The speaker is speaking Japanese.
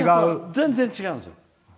全然違うんですよ。